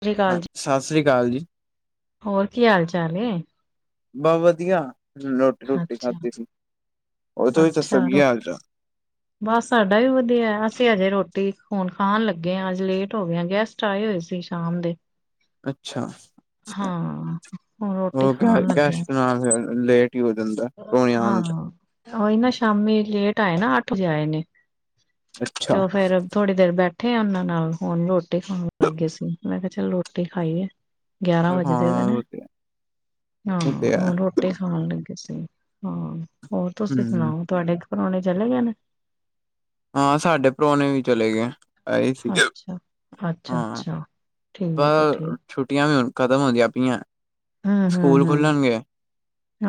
ਸਤਿ ਸ਼੍ਰੀ ਅਕਾਲ ਹਾਂ, ਜੀ, ਸਤਿ ਸ਼੍ਰੀ ਅਕਾਲ ਜੀ। ਹੋਰ ਕੀ ਹਾਲ ਚਾਲ ਏ? ਬਸ ਵਧੀਆ, ਰੋਟੀ ਰੂਟੀ ਅੱਛਾ, ਖਾਧੀ ਸੀ। ਉੱਥੇ ਦੀ ਤੇ ਅੱਛਾ ਰੋ ਸਬਜ਼ੀਆਂ ਤਾਂ [inaudible] ਬਸ ਸਾਡਾ ਵੀ ਵਧੀਆ ਏ। ਅਸੀ ਹਜੇ ਰੋਟੀ ਹੁਨ ਖਾਨ ਲੱਗੇ ਹਾਂ। ਅੱਜ ਲੇਟ ਹੋ ਗਏਆਂ। ਗੈਸ ਟਾਈ ਹੋਈ ਸੀ ਸ਼ਾਮ ਦੀ। ਅੱਛਾ ਹਾਂ, ਹੁਣ ਰੋਟੀ ਖਾਣ ਲੱਗਿਆਂ। ਹਾਂ ਫੇਰ ਲੇਟ ਹੀ ਹੋ ਜਾਂਦਾ। ਪ੍ਰੋਣੇ ਆਣ ਚ ਹਾਂ ਉਹੀ ਨਾ ਸ਼ਾਮੀ ਲੇਟ ਆਏ ਨਾ। ਅੱਠ ਵਜੇ ਆਏ ਨੇਂ। ਤੇ ਅੱਛਾ ਉਹ ਫੇਰ ਥੋੜੀ ਦੇਰ ਬੈਠੇਆਂ ਉਹਨਾਂ ਨਾਲ। ਹੁਨ ਰੋਟੀ ਖਾਣ ਲੱਗੇ ਸੀ। ਮੈਂ ਕੇਹਾ ਚੱਲ ਰੋਟੀ ਖਾਈ ਏ। ਗਿਆਰਾਂ ਵੱਜਦੇ ਪਏ ਹਾਂ ਨੇਂ। ਉਹ ਤੇ ਹੈ, ਹਾਂ ਉਹ ਤੇ ਹੈ ਹੁਨ ਰੋ ਟੀ ਖਾਣ ਲੱਗੇ ਸੀ। ਹਾਂ ਹੋਰ ਤੁਸੀ ਹਮ ਸੁਣਾਓ। ਤੁਹਾਡੇ ਘਰਵਾਲੇ ਚਲੇ ਗਏ ਨੇਂ? ਹਾਂ ਸਾਡੇ ਪ੍ਰੋਹਣੇ ਵੀ ਚਲੇ ਗਏ। ਆਏ ਸੀਗੇ, ਅੱਛਾ, ਹਾਂ। ਅੱਛਾ-ਅੱਛਾ ਠੀਕ ਐ ਪਰ ਠੀਕ ਛੁੱਟੀਆਂ ਵੀ ਹੁਨ ਖਤਮ ਹੋਦੀਂਆ ਪਈਆਂ। ਸਕੂਲ ਹਮ-ਹਮ-ਹਮ, ਖੁੱਲਣਗੇ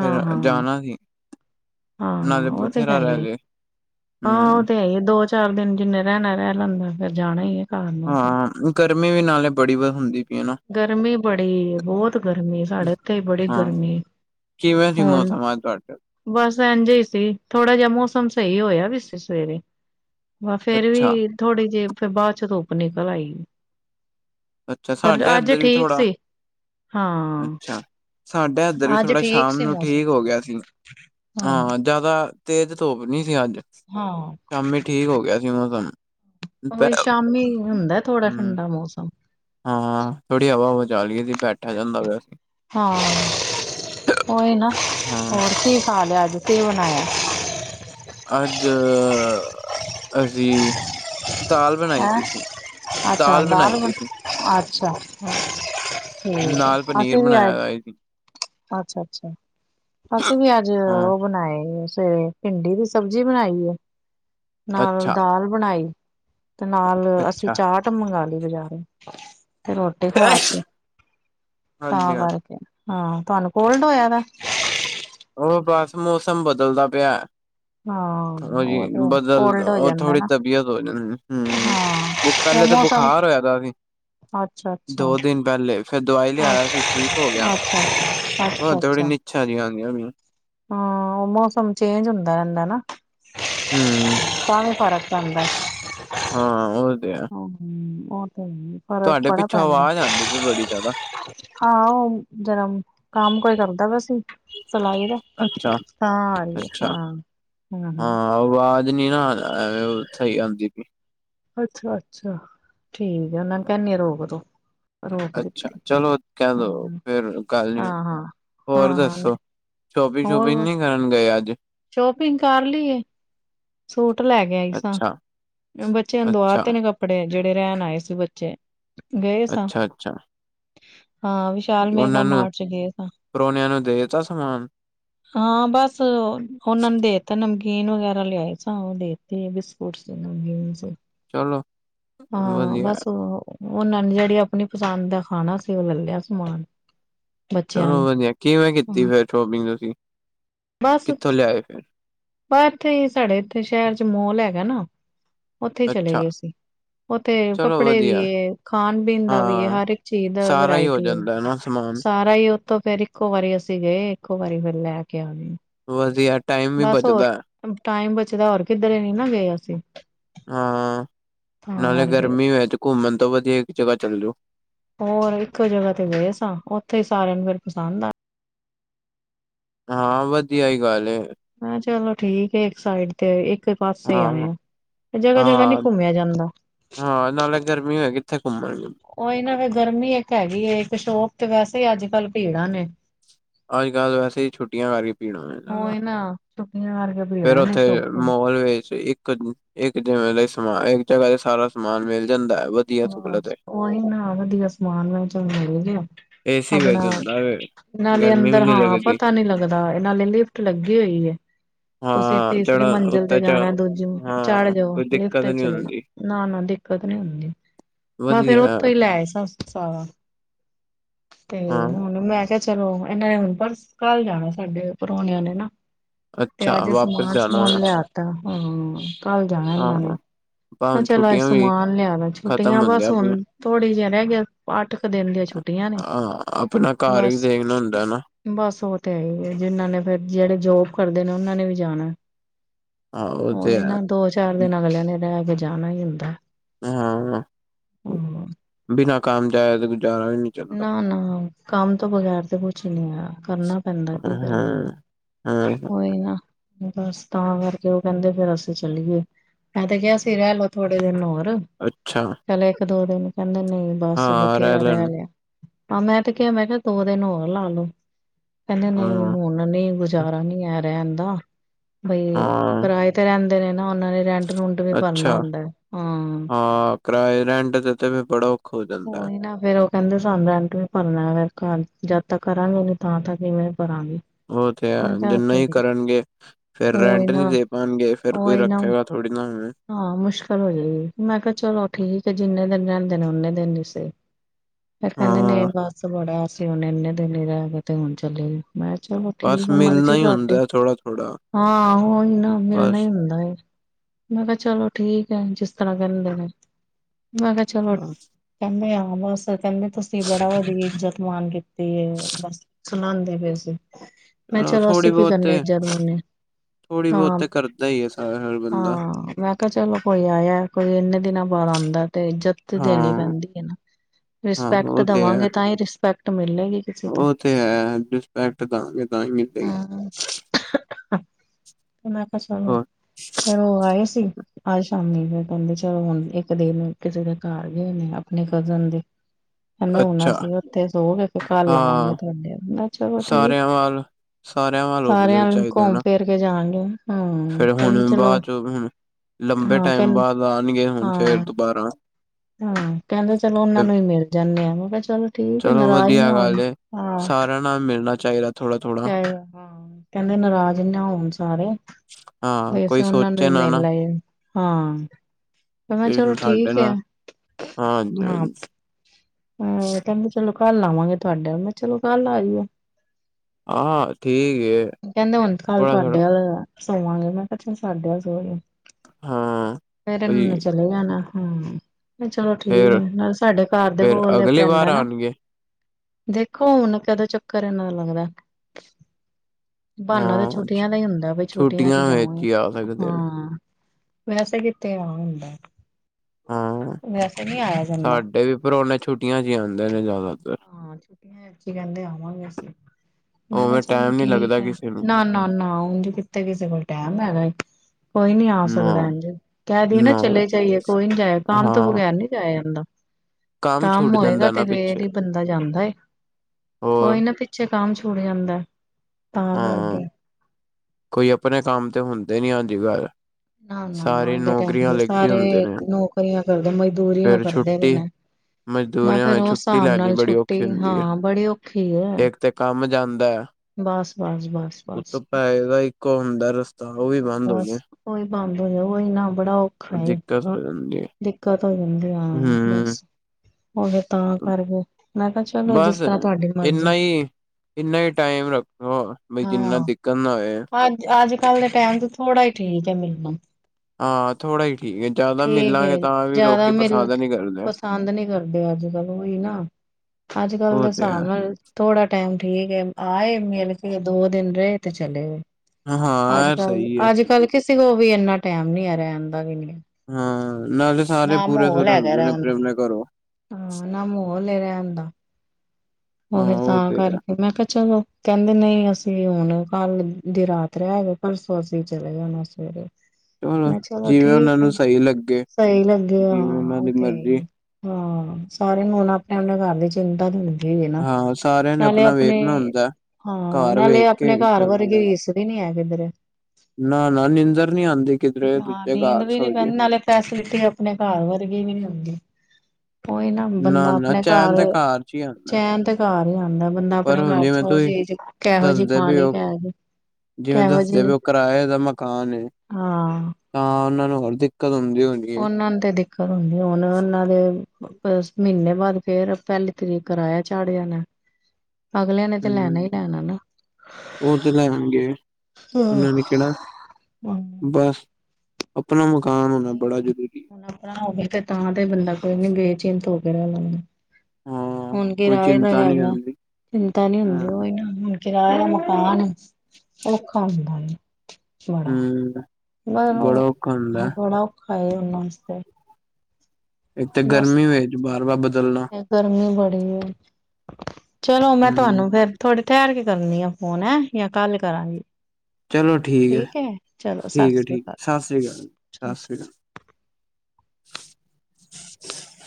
ਫਿਰ ਜਾਣਾ ਸੀ ਹਾਂ ਨਾਲੇ ਉਹ ਤੇ ਬਥੇਰਾ ਹੈ ਰਹਿ ਹੀ। ਲਏ ਹਾ ਮ ਉਹ ਹਮ ਤੇ ਹੈ ਹੀ। ਦੋ ਚ ਚਾਰ ਦਿਨ ਜਿੰਨੇ ਰੈਨਾਂ ਏ ਰੈਅ ਲੈਂਣ ਫਿਰ ਜਾਣਾ ਈ ਏ। ਹਾਂ, ਗਰਮੀ ਵੀ ਨਾਲੇ ਬੜੀ ਵਾਰ ਹੁੰਦੀ। ਪਈ ਹੈ ਨਾ ਗਰਮੀ ਬੜੀ ਏ, ਬੋਤ ਗਰਮੀ ਏ। ਸਾਡੇ ਇੱਥੇ ਵੀ ਬੜੀ ਹਾਂ ਗਰਮੀ। ਕਿਵੇਂ ਦੀ ਹੁਣ ਮੌਸਮ ਏ ਤੁਆਡੇ? ਬਸ ਇੰਝ ਈ ਸੀ। ਥੋੜਾ ਜਿਹਾ ਮੌਸਮ ਸਹੀ ਹੋਇਆ ਵੀ ਸੀ ਸੁਵੇਰੇ ਬਅ ਫੇਰ ਅੱਛਾ ਵੀ ਥੋੜੀ ਜਈ, ਫਿਰ ਬਾਅਦ ਚ ਧੁੱਪ ਨਿਕਲ ਆਈ। ਅੱਛਾ, ਪਰ ਸਾਡੇ ਅੱਜ ਇਧਰ ਵੀ ਠੀਕ ਥੋੜਾ, ਸੀ। ਹਾਂ, ਅੱਛਾ। ਸਾਡਾ ਇਧਰ ਵੀ ਅੱਜ ਥੋੜਾ ਠੀਕ ਸ਼ਾਮ ਸੀ ਨੂੰ ਮੌਸਮ ਠੀਕ ਹੋ ਥੋੜਾ ਗਿਆ ਸੀ। ਹਾਂ। ਜਿਆਦਾ ਤੇਜ ਧੁੱਪ ਨੀ ਸੀ ਅੱਜ। ਹਾਂ। ਸ਼ਾਮੀ ਠੀਕ ਹੋ ਗਿਆ ਸੀ ਮੌਸਮ। ਪੈ ਉਹੀ, ਸ਼ਾਮੀ ਹੁੰਦਾ ਥੋੜਾ ਹਮ ਠੰਡਾ ਮੌਸਮ। ਹਾਂ, ਥੋੜੀ ਹਵਾ-ਹੁਵਾ ਚੱਲ ਗੀ ਸੀ, ਬੈਠਾ ਜਾਂਦਾ ਬਸ। ਹਾਂ, ਓਹੀ ਨਾ, ਹਾਂ ਹੋਰ ਕੀ ਖਾ ਲਿਆ ਅੱਜ, ਕੀ ਬਨਾਇਆ? ਅੱਜ, ਅਸੀ ਦਾਲ ਬਨਾਈ ਹੈਂ ਦੀ ਸੀ, ਅੱਛਾ ਦਾਲ ਬਨਾਈ ਦੀ ਬਣ ਸੀ। ਅੱਛਾ ਹਂ। ਠੀਕ ਨਾਲ ਪਨੀਰ ਬਨਾਇਆ ਹੋਇਆ ਈ ਹੀ। ਅੱਛਾ-ਅੱਛਾ, ਅਸੀ ਵੀ ਅੱਜ ਹਾਂ ਉਹ ਬਨਾਏ ਸੀ। ਭਿੰਡੀ ਦੀ ਸਬਜੀ ਬਨਾਈ ਐ ਨਾਲ ਅੱਛਾ ਦਾਲ ਬਣਾਈ। ਤੇ ਨਾਲ ਅਸੀਂ ਅੱਛਾ ਚਾਟ ਮੰਗਾਂ ਲਈ ਬਜ਼ਾਰੋ। ਤੇ ਰੋਟੀ ਖਵਾਤੀ ਹਾਂਜੀ ਤਾਂ ਹਾਂ ਕਰਕੇ ਹਾਂ। ਤਾਨੂੰ ਕੋਲਡ ਹੋਇਆ ਵੈ? ਉਹ ਬਸ ਮੌਸਮ ਬਦਲਦਾ ਪਿਆ। ਹਾਂ ਓਈ ਉਹ ਈ ਤੇ ਬਦਲ ਕੋਲਡ ਹੋ ਉਹ ਜਾਂਦਾ ਥੋੜੀ ਨਾ ਤਬੀਅਤ ਹੋ ਜਾਂਦ, ਹਂ। ਹਾਂ ਬੁ ਉਹ ਪਹਿਲੇ ਤਾਂ ਮੌਸਮ ਬੁਖਾਰ ਹੋਇਆ ਦਾਵੇ। ਅੱਛਾ, ਅੱਛਾ। ਪਹਿਲੇ ਫਿਰ ਦਵਾਈ ਲਿਆਇਆ ਅੱਛਾ ਸੀ, ਠੀਕ ਹੋ ਗਿਆ। ਅੱਛਾ ਅੱਛਾ ਹੁਣ ਥੋੜੀ ਅੱਛਾ ਨੀ ਛਾ ਜਈਆਂ ਆਂਦੀਆਂ ਹੁਣੀਆਂ। ਹਾਂ, ਉਹ ਮੌਸਮ ਚੇਂਜ ਹੁੰਦਾ ਰੈਂਦਾ ਨਾ। ਹਂ। ਤਾਂਵੀ ਫਰਕ ਪੈਂਦਾ। ਹਾਂ। ਉਹੀ ਤੇ ਐ। ਹਂ, ਉਹ ਤੇ ਹੈ ਈ ਫਰਕ ਬੜਾ ਪਿੱਛੋਂ ਪੈਂਦਾ। ਆਵਾਜ਼ ਆਉਂਦੀ ਪਈ ਬੜੀ ਜ਼ਿਆਦਾ ਹਾਂ। ਉਹ ਜਨਮ ਕੰਮ ਕੋਈ ਕਰਦਾ ਪੈਆ ਸੀ। ਸਲਾਈ ਦਾ। ਅੱਛਾ ਤਾਂ ਆ ਰੀ ਐ ਅੱਛਾ ਹਾਂ, ਹਂ, ਹਂ। ਹਾਂ ਆਵਾਜ਼ ਨੀ ਨਾ ਅਂ ਸਈ ਆਂਦੀ ਪੀ। ਅੱਛਾ, ਅੱਛਾ ਠੀਕ ਐ, ਮੈਂ ਕਹਿੰਣੀ ਆ ਰੋਕ ਦੋ। ਰੋਕ ਅੱਛਾ। ਦਿੱਤੀ ਚਲੋ ਕੈਅ ਹਾਂ ਦੋ, ਫੇਰ ਗੱਲ ਨੀ ਹਾਂ ਹਾਂ ਹੋਰ ਹਾਂ ਹਾਂ ਦੱਸੋ। ਸ਼ੋਪਿੰਗ- ਸੂ਼ਪਿੰਗ ਹੋਰ ਨ੍ਹੀਂ ਕਰਨ ਗਏ ਅੱਜ। ਸ਼ੋਪਿੰਗ ਕਰ ਲੀ ਏ। ਸੂਟ ਲੈ ਕੇ ਆਈ ਸਾਂ। ਅੱਛਾ ਬੱਚਿਆਂ ਨੂੰ ਦਵਾ ਅੱਛਾ ਤੇ ਨੇ ਕਪ ਕੱਪੜੇ ਜੇੜੇ ਰੈਣ ਆਏ ਸੀ ਬੱਚੇ, ਗਏ ਸਾਂ, ਅੱਛਾ ਅੱਛਾ ਹਾਂ। ਵਿਚਾਲ ਮੇਗਾ ਉਹਨਾਂ ਨੂੰ ਮਾਟ ਚ ਗਏ ਸਾਂ। ਪ੍ਰੋਹਣਿਆਂ ਨੂੰ ਦੇ ਤਾ ਸਮਾਨ ਹਾਂ, ਬਸ। ਉਹਨਾਂ ਨੂੰ ਦੇਤਾ ਨਮਕੀਨ ਵਗੈਰਾ ਲਿਆਏ ਸਾਂ। ਉਹ ਦੇਤੀ ਏ ਬਿਸਕੁਟ ਸੀ ਨਮਕੀਨ ਸੀ। ਚਲੋ ਹਾਂ। ਵਧੀਆ ਬਸ ਉਹ ਉਹਨਾਂ ਨੂੰ ਜੇੜੀ ਆਪਣੀ ਪਸੰਦ ਦਾ ਖਾਣਾ ਸੀ ਉਹ ਲਲਿਆ ਸਮਾਨ। ਬੱਚਿਆਂ ਨੇ ਚਲੋ ਵਧੀਆ। ਕਿਵੇਂ ਕੀਤੀ ਹਾਂ ਫੇਰ ਸ਼ੋਪਿੰਗ ਤੁਸੀਂ, ਕਿੱਥੋਂ ਲਿਆਏ? ਫਿਰ ਹਾ ਇੱਥੇ ਹੀ ਸਾਡੇ ਇੱਥੇ ਸ਼ਹਿਰ ਚ' ਮੋਲ ਹੈਗਾ ਨਾ। ਉੱਥੇ ਹੀ ਚਲੇ ਅੱਛਾ ਗਏ ਸੀਂ। ਉਥੇ ਚਲੋ ਕੱਪੜੇ ਵੀ ਵਧੀਆ ਏ, ਖਾਣ -ਪੀਣ ਦਾ ਵੀ ਹੈ। ਹਰ ਇੱਕ ਚੀਜ਼ ਦਾ ਵਰਾਇਟੀ ਹੈ। ਆਸਮਾਨ। ਸਾਰਾ ਹੀ ਉਤੋਂ ਫੇਰ ਇੱਕੋ ਵਾਰੀ ਅਸੀਂ ਗਏ। ਇੱਕੋ ਵਾਰੀ ਫੇਰ ਲੈ ਕੇ ਆਉਣੇ। ਵਧੀਆ ਟਾਈਮ। ਵੀ ਬਸ, ਹੋਰ ਬਚਦਾ ਟਾਈਮ ਬਚਦਾ। ਹੋਰ ਕਿੱਧਰੇ ਨੀ ਨਾ ਗਏ ਅਸੀਂ। ਹਾਂ, ਤਾਂ ਨਾਲੇ ਕਰਕੇ ਗਰਮੀ ਹੋਏ ਤੇ ਘੁੰਮਣ ਤੋਂ ਵਧੀਆ ਇੱਕ ਜਗਾ ਚੱਲ ਜਾਓ। ਹੋਰ ਇੱਕੋ ਜਗਾ ਤੇ ਗਏ ਸਾਂ ਉੱਥੇ ਹੀ ਸਾਰਿਆਂ ਨੂੰ ਫੇਰ ਪਸੰਦ ਆ। ਹਾਂ, ਵਧੀਆ ਹੀ ਗੱਲ ਹੈ। ਮੈਂ ਕਿਹਾ ਚਲੋ ਠੀਕ ਏ ਇੱਕ ਸਾਈਡ ਤੇ ਇੱਕ ਪਾਸੇ ਆਏ ਆ। ਜਗ੍ਹਾ ਜਗ੍ਹਾ ਨੀ ਘੁੰਮਿਆ ਜਾਂਦਾ ਹਾਂ-ਹਾਂ ਨਾਲੇ ਗਰਮੀ ਹੋਏ ਕਿੱਥੇ ਘੁੰਮਣ ਵੀ। ਉਹੀ ਨਾ ਫੇਰ ਗਰਮੀ ਇੱਕ ਹੈਗੀ ਏ ਇੱਕ ਸ਼ੋਪ ਤੇ ਵੈਸੇ ਹੀ ਅੱਜ-ਕੱਲ ਭੀੜਾਂ ਨੇ। ਅੱਜ-ਕੱਲ ਵੈਸੇ ਹੀ ਛੱਟੀਆਂ ਆ ਰਹੀ। ਹੋਏ ਨਾ ਛੁਟੀਆਂ ਕਰ ਕੇ ਫੇਰ ਉਥੋਂ ਮਾਲ ਵਿਚ ਇੱਕ ਇੱਕ ਜਿਵੇਂ ਦਾ ਈ ਸਮਾਨ ਇੱਕ ਜਗਾ ਤੇ ਸਾਰਾ ਸਮਾਨ ਮਿਲ ਜਾਂਦਾ ਹੈ ਵਧੀਆ ਸੂਲਤ ਐ। ਉ ਓਹੀ ਨਾ ਵਧੀਆ ਸਮਾਨ ਮਿਲ ਜਾਂਦਾ ਐ। ਏ ਸੀ ਬੈਕੇ ਨਾਲੇ। ਨਾਲੇ ਅੰਦਰ ਹਾਂ ਪਤਾ ਨੀ ਲੱਗਦਾ ਇਹ ਨਾਲੇ ਲਿਫਟ ਲੱਗੀ ਹੋਈ ਹੈ। ਤੁਸੀਂ ਹਾਂ ਤੀਸਰੀ ਚੜਾ ਮੰਜ਼ਿਲ ਤੇ ਉੱਤੇ ਚ ਜਾਣਾ, ਦੂਜੀ ਚੜ੍ਹ ਹਾਂ ਜਾਓ ਕੋਈ ਲਿਫਟ ਦਿੱਕਤ ਨੀ ਚੱਲਣਾ। ਹੁੰਦੀ ਨਾ-ਨਾ ਦਿੱਕਤ ਨੀ ਹੁੰਦੀ। ਮੈਂ ਫੇਰ ਵਧੀਆ ਉਥੋਂ ਹੀ ਲੈ ਆਈ ਸਾ ਸਾਰਾ, ਤੇ ਹਾਂ ਹੁਣ ਮੈਂ। ਮੈਂ ਚਲੋ ਇਹਨਾਂ ਨੇ ਹੁਣ ਪਰ ਕੱਲ ਜਾਣਾ ਸਾਡੇ ਓਪਰ ਵਾਲੇਆ ਨੇ ਨਾ। ਤੇ ਅੱਛਾ ਅਜ ਵਾਪਿਸ ਸਮਾਨ- ਜਾਣਾ ਸਮੂਨ ਹੋਇਆ, ਲਿਆ ਤਾ ਹੂੰ ਕਲ ਜਾਣਾ ਇਹਨਾਂ ਨੇ। ਹਾਂ ਆਪਾਂ ਮੈਂ ਹੁਣ ਕਿਹਾ ਚਲ ਅਜ ਛੁੱਟੀਆਂ ਵੀ ਸਮਾਨ ਲਿਆਣਾ ਚ ਖ਼ਤਮ ਛੁੱਟੀਆਂ ਬਸ ਹੁੰਦੀਆਂ ਹੁਣ ਪਈਆਂ ਥੋੜੀ ਜਿਹਾ ਰਹਿ ਗਿਆ ਅੱਠ ਕੁ ਦਿਨ ਦੀਆਂ ਛੁੱਟੀਆਂ ਨੇ। ਹਾਂ ਆਪਣਾ ਘਰ ਵੀ ਬਸ ਦੇਖਣਾ ਹੁੰਦਾ ਨਾ। ਬਸ ਉਹ ਤੇ ਹੈ ਹੀ ਹੈ ਜਿੰਹਨਾਂ ਨੇ ਫੇਰ ਜਿਹੜੇ ਜੋਬ ਕਰਦੇ ਨੇ ਉਹਨਾਂ ਨੇ ਵੀ ਜਾਣਾ। ਹਾਂ ਉਹ ਤੇ ਉਹਹੀ ਹੈ ਨਾ ਦੋ ਚਾਰ ਦਿਨ ਅਗਲਿਆਂ ਨੇ ਰਹਿ ਕੇ ਜਾਣਾ ਹੀ ਹੁੰਦਾ। ਹਾਂ। ਹਾ। ਬਿਨਾਂ ਕੰਮ ਜਾਆ ਤੇ ਗੁਜ਼ਾਰਾ ਵੀ ਨੀ। ਨਾ- ਨਾ ਕੰਮ ਤੋਂ ਬਗ਼ੈਰ ਤੇ ਕੁਛ ਹੀ ਨਹੀਂ ਹੈ, ਕਰਨਾ ਪੈਂਦਾ ਕੀ ਕਰੇ ਬੰਦਾ। ਹੋਰ ਸਬ। ਉਹੀ ਨਾ ਬਸ ਤਾਂ ਕਰਕੇ ਉਹ ਕਹਿੰਦੇ ਫੇਰ ਅਸੀਂ ਚਲੀਏ। ਮੈਂ ਤੇ ਕਿਹਾ ਸੀ ਰਹਿ ਲਓ ਥੋੜੇ ਦਿਨ ਹੋਰ। ਅੱਛਾ। ਚਲ ਇੱਕ ਦੋ ਦਿਨ ਕਹਿੰਦੇ ਨਹੀਂ ਬਸ ਹਾਂ ਬਥੇਰਾ ਰਹਿ ਲੈਣ ਲਿਆ। ਹਾਂ ਮੈਂ ਤੇ ਕਿਹਾ ਮੈਂ ਕਿਹਾ ਇਕ- ਦੋ ਦਿਨ ਹੋਰ ਲਾ ਲੋੋ ਕਹਿੰਦੇ ਨਹੀਂ ਹਾਂ ਹੁਣ ਨੀ ਗੁਜ਼ਾਰਾ ਨੀ ਹੈ ਰਹਿਣ ਦਾ, ਬਈ ਹਾਂ ਕਿਰਾਏ ਤੇ ਰਹਿੰਦੇ ਨੇ ਨਾ ਉਹਨਾਂ ਨੇ ਰਹਿਣ ਰੈੰਟ- ਰੁੰਟ ਵੀ ਅੱਛਾ ਭਰਨਾ ਹੁੰਦਾ ਹਾਂ। ਹਾਂ ਕਿਰਾਏ ਰੈਂਟ ਤੇ ਫੇਰ ਤੇ ਵੀ ਬੜਾ ਹੋ ਜਾਂਦਾ ਹੈ। ਹੋਈ ਨਾ ਫੇਰ ਕਹਿੰਦੇ ਸਾਨੂੰ ਰੈਂਟ ਵੀ ਭਰਨਾ ਵੇ ਘਰ, ਜਦ ਤੱਕ ਕਰਾਂਗੇ ਤਾਂ ਤੱਕ ਕਿਵੇਂ ਭਰਾਗੇ। ਉਹ ਤੇ ਹੈ ਜਿੰਨਾ ਹੀ ਕਰਨਗੇ ਫੇਰ ਉਹੀ ਰੈਂਟ ਨਹੀਂ ਨਾ ਦੇ ਪਾਉਣਗੇ ਫੇਰ ਕੋਈ ਉਹੀ ਨਾ ਰੱਖੇਗਾ ਥੋੜੀ ਨਾ, ਫੇਰ। ਹਾਂ ਮੁਸ਼ਕਿਲ ਹੋ ਜਾਏਗੀ ਮੈਂ ਕਿਹਾ ਚਲੋ ਠੀਕ ਹੈ ਜਿੰਨੇ ਦਿਨ ਰਹਿੰਦੇ ਨੇ ਓਨੇ ਦਿਨ ਹੀ ਸੀ। ਫਿਰ ਕਹਿੰਦੇ ਨਹੀਂ ਹਾਂ ਬਸ ਬੜਾ ਅਸੀ ਹੁਣ ਇੰਨੇ ਦਿਨ ਰਹਿ ਕੇ ਤੇ ਹੁਣ ਚੱਲੀਏ। ਮੈਂ ਕਿਹਾ ਚਲੋ ਬਸ ਠੀਕ ਆ ਮਿਲਣਾ ਮਰਜ਼ੀ ਹੀ ਤੁਹਾਡੇ ਹੁੰਦਾ ਥੋੜਾ ਥੋੜਾ ਹਾਂ ਉਹੀ ਨਾ ਮਿਲਣਾ ਬਸ ਹੀ ਹੁੰਦਾ। ਮੈਂ ਕਿਹਾ ਚਲੋ ਠੀਕ ਹੈ ਜਿਸ ਤਰ੍ਹਾਂ ਕਹਿੰਦੇ ਨੇ ਮੈਂ ਕਿਹਾ ਚਲੋ। ਕਹਿੰਦੇ ਹਾਂ ਬਸ ਕਹਿੰਦੇ ਤੁਸੀਂ ਬੜਾ ਵੀ ਇੱਜਤ ਮਾਨ ਕੀਤੀ ਏ ਬਸ ਸੁਣਾਉਂਦੇ ਪਏ ਸੀ ਮੈਂ ਕਿਹਾ ਚਲੋ ਅਸੀਂ ਥੋੜ੍ਹੀ ਕੀ ਬਹੁਤ ਕਰਨੇ ਤੇ ਇਨੇ ਦੂਰ ਨੇ ਤਾ ਹਾਂ ਹੁੰਦਾ ਈ ਐ ਹਾਂ। ਮੈਂ ਕਿਹਾ ਚਲੋ ਕੋਈ ਆਇਆ ਕੋਈ ਇੰਨੇ ਦਿਨਾਂ ਬਾਹਾਰ ਆਉਂਦਾ ਤੇ ਇੱਜਤ ਤੇ ਦੇਣੀ ਹਾਂ ਪੈਂਦੀ ਹੈ ਨਾ। ਹਾਂ ਰਿਸਪੈਕਟ ਉਹ ਤੇ ਹੈ ਦਵਾਂਗੇ ਤਾਂ ਹੀ ਰਿਸਪੈਕਟ ਮਿਲੇਗੀ। ਕਿਸੇ ਤੋਂ। ਉਹ ਤੇ ਹੈ ਰਿਸਪੈਕਟ ਦਾਂਗੇ ਤਾਂ ਹੀ ਮਿਲੇਗੀ। ਹਾਂ। ਤੇ ਮੈਂ ਕਿਹਾ ਚਲੋ। [inaudible] ਫਿਰ ਉਹ ਆਏ ਸੀ। ਆਹ ਸ਼ਾਮੀ ਫਿਰ ਕਹਿੰਦੇ ਚਲੋ ਹੁਣ ਇੱਕ ਦਿਨ ਕਿਸੇ ਦੇ ਘਰ ਗਏ ਨੇ ਆਪਣੇ ਕਜ਼ਨ ਦੇ [inaudible] ਕਹਿੰਦੇ ਹੁਣ ਅਸੀਂ ਉੱਥੇ ਸੋ ਕੇ ਕਲ ਆਵਾਂਗੇ ਹਾਂ ਤੁਹਾਡੇ ਉੱਧਰ ਸਾਰਿਆਂ ਵੱਲ ਸਾਰਿਆਂ ਵੱਲ ਹੋ ਕੇ ਸਾਰਿਆਂ ਨੂੰ ਚਾਹੇ ਘੁੰਮ ਹੈਨਾ ਫਿਰ ਕੇ ਜਾਣਗੇ ਹਾਂ ਫੇਰ ਕਹਿੰਦੇ ਹੁਣ ਚਲੋ ਬਾਅਦ ਚ ਹੁਣ ਲੰਬੇ ਹਾਂ ਟਾਈਮ ਕਹਿੰਦੇ ਬਾਅਦ ਆਉਣਗੇ ਹੁਣ ਹਾਂ। ਫੇਰ ਦੁਬਾਰਾ। ਹਾਂ ਕਹਿੰਦੇ ਚਲੋ ਉਹਨਾਂ ਨੂੰ ਹੀ ਮਿਲ ਜਾਂਦੇ ਆ ਮੈਂ ਕਿਹਾ ਚਲੋ ਠੀਕ ਨਰਾਜ਼ ਨਹੀਂ ਹੋਣਗੇ। ਹਾਂ। ਨ ਮਿਲਣਾ ਚਾਹੀਦਾ ਥੋੜਾ, ਥੋੜਾ। ਚਾਹੇ ਹਾਂ ਕਹਿੰਦੇ ਨਰਾਜ਼ ਹੀ ਨਾ ਹੋਣ ਸਾਰੇ। ਹਾਂ ਬਈ ਅਸੀਂ ਕੋਈ ਉਹਨਾਂ ਨੂੰ ਵੀ ਸੋਚੇ ਨਾ ਨਾ ਮਿਲ ਆਏ ਆ ਹਾ ਮੈਂ ਕਿਹਾ ਚਲੋ ਫਿਰ ਸਾਡੇ ਠੀਕ ਹੈ ਨਾਲ ਹਾਂ। ਹਾਂਜੀ-ਹਾਂਜੀ ਹਹ ਕਹਿੰਦੇ ਚਲੋ ਕੱਲ ਆਵਾਂਗੇ ਤੁਹਾਡੇ ਮੈਂ ਕਿਆ ਚਲੋ ਕੱਲ ਆ ਜਈਉ। ਹਾਂ ਠੀਕ ਏ ਕਹਿੰਦੇ ਹੁਨ ਕੱਲ ਕੱਲ ਥੋੜਾ-ਥੋੜਾ ਤੁਹਾਡੇ ਵੱਲ ਸੋਵਾਂਗੇ ਮੈਂ ਕਿਹਾ ਚਲ' ਸਾਡੇ ਵੱਲ ਸੋ ਜਾਈਓ ਹਾਂ ਫਿਰ ਇਹ ਉਹੀ ਨਹੀਂ ਆਣਾ ਹਾਂ ਨਹੀਂ ਚਲੋ ਠੀਕ ਆ ਫੇਰ-ਫੇਰ ਨਾਲ ਸਾਡੇ ਘਰ ਦੇ ਕੋਲ ਅਗਲੀ ਵਾਰ ਪੈਂਦਾ ਨਾ ਆਣਗੇ ਦੇਖੋ ਹੁਣ ਕਦੋਂ ਚੱਕਰ ਇਹਨਾਂ ਦਾ ਲੱਗਦਾ ਬਹਾਨਾ ਤਾਂ ਹਾਂ ਛੁੱਟੀਆਂ ਦਾ ਹੀ ਹੁੰਦਾ ਬਈ ਛੁੱਟੀਆਂ ਚ' ਵਿੱਚ ਜਾਵਾਗੇ ਹੀ ਆ ਸਕਦੇ ਨੇ ਹਾਂ ਵੈਸੇ ਕਿੱਥੇ ਆ ਹੁੰਦਾ ਵੈਸੇ ਨੀ ਆਇਆ ਜਾਂਦਾ ਪਰੋਣੇੇ ਛੁੱਟੀਆਂ ਚ' ਹੀ ਆਉਂਦੇ ਨੇ ਜ਼ਿਆਦਾਤਰ ਹਾਂ ਛੁੱਟੀਆਂ ਵਿੱਚ ਹੀ ਕਹਿੰਦੇ ਆਵਾਂਗੇ ਅਸੀਂ ਮੈਂ ਕਿਹਾ ਉਵੇਂ ਚਲੋ ਟਾਈਮ ਨੀ ਠੀਕ ਲੱਗਦਾ ਹੈ ਕਿਸੇ ਨੂੰ ਨਾ-ਨਾ-ਨਾ ਉਝ ਕਿੱਥੇ ਕਿਸੇ ਕੋਲ ਟੈਮ ਹੈਗਾ ਕੋਈ ਨੀ ਆ ਸਕਦਾ ਨਾ-ਨਾ ਇਜ਼ ਕਹਿ ਦਈਏ ਨਾ ਚਲੇ ਜਾਈਏ ਕੋਈ ਨੀ ਜਾਇਆ ਕੰਮ ਤੋਂ ਹਾਂ ਬਗੈਰ ਨੀ ਜਾਇਆ ਜਾਂਦਾ ਕੰਮ ਛੁੱਟ ਜਾਂਦਾ ਹੋਏਗਾ ਨਾ ਤੇ ਪਿੱਛੇ ਫੇਰ ਈ ਬੰਦਾ ਜਾਂਦਾ ਏ ਉਹ ਹੀ ਹੋਰ ਨਾ ਪਿੱਛੇ ਕੰਮ ਛੂਟ ਜਾਂਦਾ ਏ ਹਾਂ ਕੋਈ ਆਪਣੇ ਕੰਮ ਤੇ ਹੁੰਦੇ ਨੀ ਅੱਜ ਕਲ ਨਾ-ਨਾ ਅੱਜ ਦੇ ਟਮ ਸਾਰੇ ਨੇ ਨੌਕਰੀਆਂ ਕਰਦੇ ਮਜ਼ਦੂਰੀਆਂ ਫੇਰ ਕਰਦੇ ਪਏ ਛੁੱਟੀ ਨੇ ਮੈਂ ਮਜ਼ਦੂਰੀਆਂ ਫੇਰ ਵਿੱਚ ਉਹ ਛੁੱਟੀ ਹਿਸਾਬ ਲੈਣੀ ਨਾਲ ਬੜੀ ਔਖੀ ਛੁੱਟੀ ਹੁੰਦੀ ਹਾਂ ਬੜੀ ਔਖੀ ਹੈ। ਇੱਕ ਤੇ ਕੰਮ ਜਾਂਦਾ ਹੈ ਬਸ-ਬਸ-ਬਸ ਉਤੋਂ ਪੈ ਦਾ ਇੱਕ ਹੁੰਦਾ ਰ ਹਾਂ ਬਸ ਓਹੀ ਬੰਦ ਹੋ ਇਆ ਓਹੀ ਨਾ ਬੜਾ ਔਖਾ [unintelligible] ਦਿੱਕਤ ਹੋ ਜਾਂਦੀ ਆ ਹਮ ਬਸ ਉਹ ਫਿਰ ਤਾਂ ਕਰਕੇ ਮੈਂ ਕਿਹਾ ਚਲੋ ਬਸ ਜਿਸ ਤਰ੍ਹਾਂ ਤੁਹਾਡੀ ਇੰਨਾ ਮਰਜ਼ੀ ਹੀ ਇੰਨਾ ਹੀ ਟਾਈਮ ਰੱਖੋ ਬ' ਜਿੰਨਾ ਹਾਂ ਦਿੱਕਤ ਨਾ ਆਏ ਅੱਜ ਅੱਜ ਕੱਲ ਦੇ ਟੈਮ ਤੇ ਥੋੜ੍ਹਾ ਹੀ ਠੀਕ ਹੈ ਮਿਲਣਾ ਹਾਂ ਥੋੜ੍ਹਾ ਹੀ ਠੀਕ ਹੈ ਜਿਆਦਾ ਮਿਲਾਂਗੇ ਤਾਂ ਵੀ ਜਿਆਦਾ ਲੋਕੀ ਮਿਲ ਪਸੰਦ ਨੀ ਕਰਦੇ ਪਸੰਦ ਨੀ ਕਰਦੇ ਅੱਜ ਕੱਲ ਉਹੀ ਨਾ ਅੱਜ ਕਲ ਉਹ ਦੇ ਤੇ ਹੈ ਸਾਬ ਨਾਲ ਥੋੜਾ ਟਾਈਮ ਠੀਕ ਹੈ ਆਏ ਮਿਲ ਕੇ ਦੋ ਦਿਨ ਰਹੇ ਤੇ ਚਲੇ ਗਏ ਅੱਜ ਹਾਂ ਸਹੀ ਹੈ ਕੱਲ-ਅੱਜ ਕੱਲ ਕਿਸੇ ਕੋਲ ਵੀ ਇੰਨਾ ਟੈਮ ਨੀ ਆ ਰੈਣ ਦਾ ਵੀ ਨੀ ਹਾਂ ਨਾਲੇ ਸਾਰੇ ਨਾ ਪੂਰੇ ਮਾਹੌਲ ਸੂਰੇ ਹੈਗਾ ਹੁੰਦੇ ਨੇ ਰਹਿਣ ਦਾ ਆਪਣੇ-ਆਪਣੇ ਘਰੋਂ ਹਾਂ ਨਾ ਮਾਹੌਲ ਹੈ ਰਹਿਣ ਦਾ ਹਾਂ ਉਹ ਫੇਰ ਤਾਂ ਤੇ ਹੈ ਕਰਕੇ ਮੈਂ ਕਿਹਾ ਚਲੋ ਕੈਂਦੇ ਨਹੀਂ ਅਸੀਂ ਹੁਣ ਕੱਲ ਦੀ ਰਾਤ ਰੈਗੇ ਪਰਸੋਂ ਅਸੀਂ ਚਲੇ ਜਾਣਾ ਸਵੇਰੇ ਮੈਂ ਕਿਹਾ ਚਲੋ ਜਿਵੇਂ ਉਹਨਾਂ ਠੀਕ ਨੂੰ ਹੈ ਸਹੀ ਲੱਗੇ ਸਹੀ ਲੱਗੇ ਜਿਵੇਂ ਉਹਨਾਂ ਹਾਂ ਉਹ ਦੀ ਤੇ ਮਰਜ਼ੀ ਹਾਂ ਸਾਰਿਆਂ ਨੂੰ ਹੁਨ ਆਪਣੇ ਆਪਣੇ ਘਰ ਦੀ ਚਿੰਤਾ ਤਾਂ ਨ ਨਾ ਹਾਂ ਸਾਰਿਆਂ ਨੇ ਨਾਲੇ ਆਪਣਾ ਆਪਣੇ ਵੇਖਣਾ ਹੁੰਦਾ ਹਾਂ ਘਰ ਨਾਲੇ ਵੇਖ ਕੇ ਆਪਣੇ ਘਰ ਚੱਲਣਾ ਵਰਗੀ ਵੀ ਰੀਸ [unintelligible] ਨਾ-ਨਾ ਨੀਂਦਰ ਨੀ ਆਂਦੀ ਕਿਧਰੇ ਹਾਂ ਦੂਜੇ ਨੀਂਦ ਘਰ ਵੀ ਸੋ ਨੀ ਹੋ ਜੇ ਪੈਂਦੀ ਨਾਲੇ ਫੈਸਿਲਿਟੀ ਆਪਣੇ ਘਰ ਵਰਗੀ ਵੀ ਨੀ ਹੁੰਦੀ ਉਹੀ ਨਾ ਬੰਦਾ ਆਪਣੇ ਘਰ ਹਾਂਜੀ ਹਾ ਚੈਨ ਤੇ ਘਰ ਹੀ ਆਂਦਾ ਬੰਦਾ ਆਪਣੇ ਘਰ ਜਿਵੇਂ ਸੋ ਤੁਸੀਂ ਜ ਕਿਹੋ ਜਿਹੀ ਦੱਸਦੇ ਪਏ ਖਾਣੀ ਹੋ ਕਿਹੋ ਜਿ ਜਿਵੇਂ ਦੱਸਦੇ ਵੀ ਉਹ ਕਿਰਾਏ ਦਾ ਮਕਾਨ ਹੈ ਹਾਂ ਤਾਂ ਉਹਨਾਂ ਨੂੰ ਹੋ ਰ ਉਹਨਾਂ ਨੂੰ ਤੇ ਦਿੱਕਤ ਹੁੰਦੀ ਹੁਣ ਉਹਨਾਂ ਦੇ ਮਹੀਨੇ ਬਾਦ ਫੇਰ ਪਹਿਲੀ ਤਰੀਕ ਕਰਾਇਆ ਚਾੜ ਜਾਣਾ ਅਗਲਿਆਂ ਨੇ ਤਾਂ ਹਮ ਲੈਣਾ ਹੀ ਲੈਣਾ ਨਾ ਉਹ ਤੇ ਲੈਣਗੇ ਹ ਉਹਨਾਂ ਨੇ ਕਿਹੜਾ ਹਮ ਬਸ ਆਪਣਾ ਮਕਾਨ ਹੋਣਾ ਉਹੀ ਬੜਾ ਨਾ ਜਰੂਰੀ ਹੁਣ ਆਪਣਾ ਹੋ ਵੇ ਤੇ ਤਾਂ ਤੇ ਬੰਦਾ ਕੋਈ ਨੀ ਬੇਚਿੰਤ ਹੋ ਕੇ ਰੈ ਲੈਦਾ ਹਾਂ ਹੁਣ ਕੋਈ ਕਿਰਾਏ ਦਾ ਚਿੰਤਾ ਨਹੀਂ ਹੈਗਾ ਹੁੰਦੀ ਚਿੰਤਾ ਨੀ ਹੁੰਦੀ ਹਾਂ ਉਹ ਹ ਕਿਰਾਏ ਦਾ ਮਕਾਨ ਔਖਾ ਹੁੰਦਾ ਹੈ। ਬੜਾ ਹੂੰ ਬੜਾ ਔਖਾ ਹੁੰਦਾ ਬੜਾ ਔਖਾ ਉਹਨਾਂ ਵਾਸਤੇ ਇੱਕ ਤਾਂ ਬਸ ਗਰਮੀ ਵਿਚ ਬਾਰ ਵਾਰ ਬਦਲਣਾ ਗਰਮੀ ਬੜੀ ਆ ਚਲੋ ਮੈਂ ਹੂੰ ਤੁਹਾਨੂੰ ਫੇਰ ਥੋੜੀ ਠੈਰ ਕੇ ਕਰਨੀ ਆ ਫੋਨ ਹੈਂ ਜਾਂ ਕੱਲ ਕਰਾਂਗੀ ਠੀਕ ਹੈ ਚਲੋ ਸਤਿ ਠੀਕ ਹੈ ਸ੍ਰੀ ਠੀਕ ਹੈ। ਸਤਿ ਸ੍ਰੀ ਸਤਿ ਅਕਾਲ ਸ੍ਰੀ ਅਕਾਲ